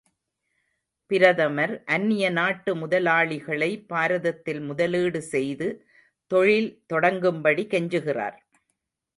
பிரதமர் அந்நிய நாட்டு முதலாளிகளை பாரதத்தில் முதலீடு செய்து தொழில் தொடங்கும்படி கெஞ்சுகிறார்!